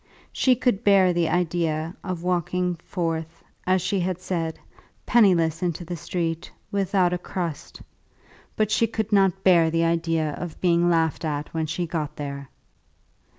She could bear the idea of walking forth, as she had said, penniless into the street, without a crust; but she could not bear the idea of being laughed at when she got there.